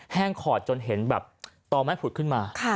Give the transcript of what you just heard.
ขอดจนเห็นแบบต่อไม้ผุดขึ้นมา